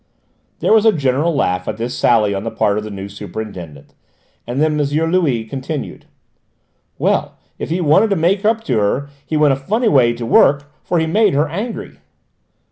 There was a general laugh at this sally on the part of the new superintendent, and then M. Louis continued: "Well, if he wanted to make up to her he went a funny way to work, for he made her angry."